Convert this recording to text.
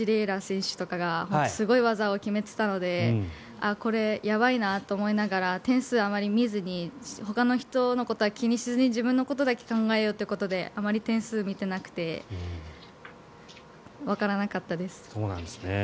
楽選手とかがすごい技を決めていたのでこれ、やばいなと思いながら点数、あまり見ずにほかの人のことは気にせずに自分のことだけ考えようということであまり点数を見てなくてわからなかったです。